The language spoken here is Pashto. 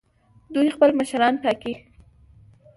دوی خپل مشران ټاکي.